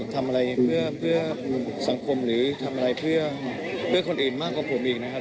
ทำอะไรเพื่อสังคมหรือทำอะไรเพื่อคนอื่นมากกว่าผมอีกนะครับ